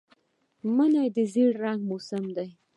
مني د زېړ رنګ موسم دی